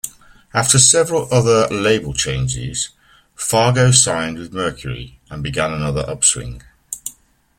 After several other label changes, Fargo signed with Mercury, and began another upswing.